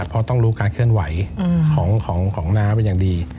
เพราะต้องรู้การเคลื่อนไหวของน้าเป็นอย่างดี